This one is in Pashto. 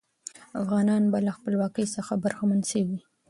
افغانان به له خپلواکۍ څخه برخمن سوي وي.